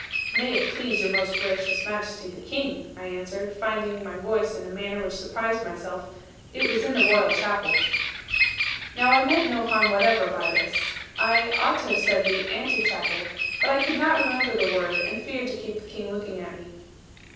'May it please Your Most Gracious Majesty the King,' I answered, finding my voice in a manner which surprised myself; 'it was in the Royal Chapel.' Now I meant no harm whatever by this. I ought to have said the 'Ante chapel,' but I could not remember the word, and feared to keep the King looking at me.